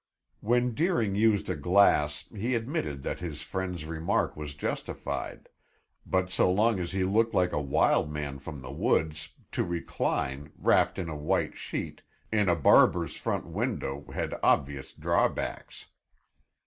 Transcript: When Deering used a glass he admitted that his friend's remark was justified, but so long as he looked like a wild man from the woods, to recline, wrapped in a white sheet, in a barber's front window had obvious drawbacks.